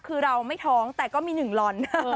คือเราไม่ท้องแต่ก็มีหนึ่งลอน